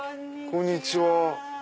こんにちは。